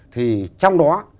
thì trong đó